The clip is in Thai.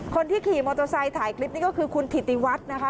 คนที่ขี่มอเตอร์ไซค์ถ่ายคลิปนี้ก็คือคุณถิติวัฒน์นะคะ